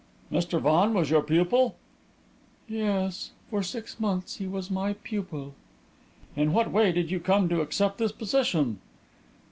"Mr. Vaughan was your pupil?" "Yes; for six months he was my pupil." "In what way did you come to accept this position?"